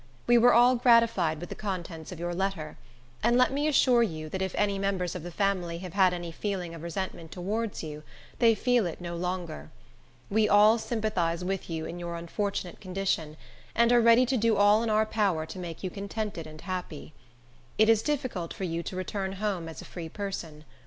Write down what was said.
We were all gratified with the contents of your letter; and let me assure you that if any members of the family have had any feeling of resentment towards you, they feel it no longer. We all sympathize with you in your unfortunate condition, and are ready to do all in our power to make you contented and happy. It is difficult for you to return home as a free person.